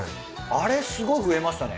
あれすごい増えましたね。